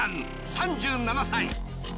３７歳。